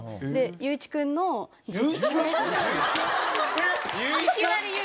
祐一君？え！